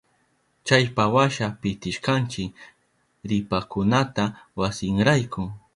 Chaypawasha pitishkanchi ripakunata wasinrayku.